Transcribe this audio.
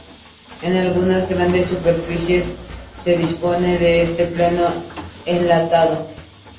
En algunas grandes superficies se dispone de este plato enlatado.